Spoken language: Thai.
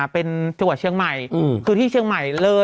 เป็นจังหวัดเชียงใหม่คือที่เชียงใหม่เลย